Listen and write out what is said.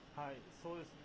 そうですね。